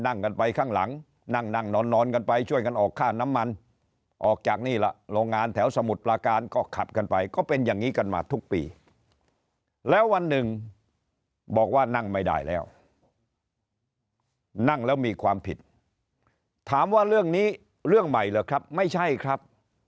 นั่งกันไปข้างหลังนั่งนั่งนอนกันไปช่วยกันออกค่าน้ำมันออกจากนี่ล่ะโรงงานแถวสมุทรปลาการก็ขับกันไปก็เป็นอย่างนี้กันมาทุกปีแล้ววันหนึ่งบอกว่านั่งไม่ได้แล้วนั่งแล้วมีความผิดถามว่าเรื่องนี้เรื่องใหม่เหรอครับไม่ใช่ครับ